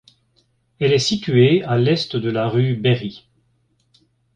Elle est située à l'est de la rue Berri.